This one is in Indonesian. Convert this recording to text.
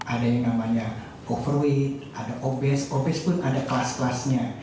ada yang namanya overweight ada obes obes pun ada kelas kelasnya